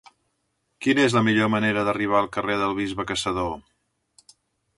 Quina és la millor manera d'arribar al carrer del Bisbe Caçador?